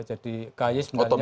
jadi ky sebenarnya